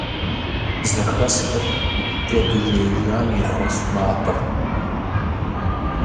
Зэхэсхыр джэду жеижам и хъурхъ макъырт.